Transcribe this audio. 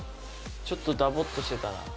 ちょっとダボッとしてたら。